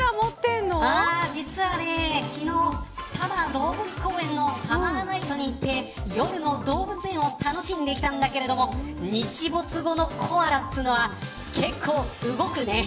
実は昨日、多摩動物公園のサマーナイトに行って夜の動物園を楽しんできたんだけど日没後のコアラっていうのは結構動くね。